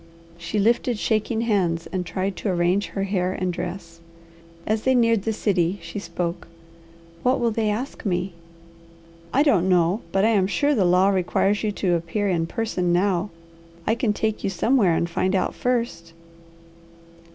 She lifted shaking hands and tried to arrange her hair and dress. As they neared the city she spoke. "What will they ask me?" "I don't know. But I am sure the law requires you to appear in person now. I can take you somewhere and find out first."